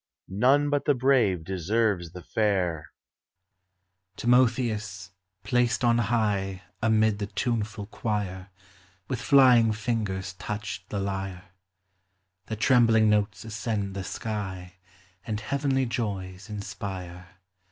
None but the 1>r>ir< deserves tin fair, Timotheus, placed on high Amid the tuneful choir, With flying fingers touched the lyre; The trembling notes ascend the sky, And heavenly joys inspire.